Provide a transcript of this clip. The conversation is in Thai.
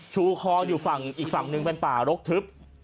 ชูคออยู่ฝั่งอีกฝั่งหนึ่งเป็นป่ารกทึบ